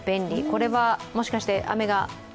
これはもしかして、雨が？